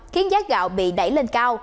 khiến giá gạo bị đẩy lên cao